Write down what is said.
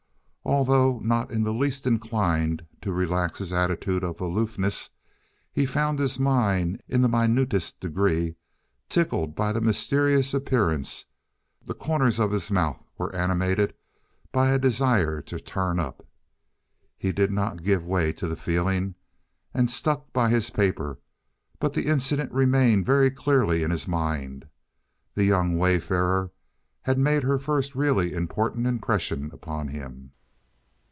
Although not in the least inclined to relax his attitude of aloofness, he found his mind, in the minutest degree, tickled by the mysterious appearance; the corners of his mouth were animated by a desire to turn up. He did not give way to the feeling, and stuck by his paper, but the incident remained very clearly in his mind. The young wayfarer had made her first really important impression upon him.